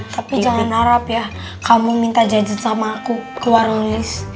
tapi jangan harap ya kamu minta jajan sama aku keluar nulis